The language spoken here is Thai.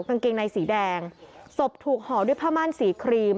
กางเกงในสีแดงศพถูกห่อด้วยผ้าม่านสีครีม